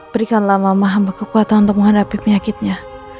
berikanlah mama hamba kekuatan untuk menghadapi penyakitnya